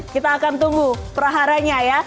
kita akan tunggu peraharanya ya